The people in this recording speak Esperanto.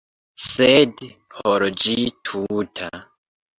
Sed por ĝi tuta.